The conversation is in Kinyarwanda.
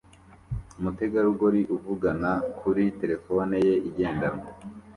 Umutegarugori uvugana kuri terefone ye igendanwa